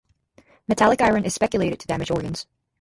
Metallic iron is speculated to damage organs.